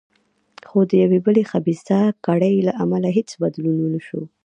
خو د یوې بلې خبیثه کړۍ له امله هېڅ بدلون ونه شو.